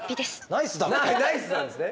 ナイスなんですね。